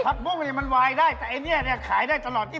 ผักบุ้งไอหนี่มันวายได้แต่ไอ้นี่นี่ขายได้ตลอด๒๔